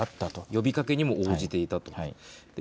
呼びかけにも応じていたと。